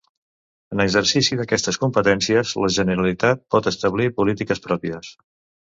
En exercici d'aquestes competències, la Generalitat pot establir polítiques pròpies.